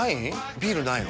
ビールないの？